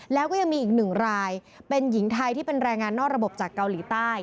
แล้วก็ยังมีอีกหนึ่งรายเป็นหญิงไทยที่เป็นแรงงานนอกระบบจากเกาหลีใต้